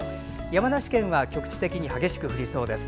山梨県は局地的に激しく降りそうです。